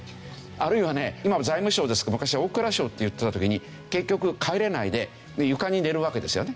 あるいはね今は財務省ですけど昔は大蔵省って言ってた時に結局帰れないで床に寝るわけですよね。